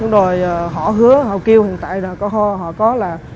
rồi họ hứa họ kêu hiện tại là họ có là